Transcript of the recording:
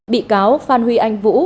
bị cáo phan huy anh vũ